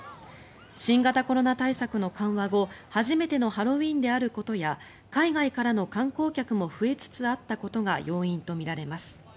新型コロナ対策の緩和後初めてのハロウィーンであることや海外からの観光客も増えつつあったことが要因とみられます。